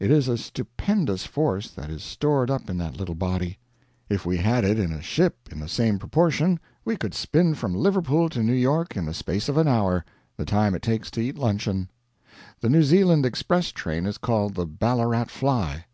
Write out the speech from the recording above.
It is a stupendous force that is stored up in that little body. If we had it in a ship in the same proportion, we could spin from Liverpool to New York in the space of an hour the time it takes to eat luncheon. The New Zealand express train is called the Ballarat Fly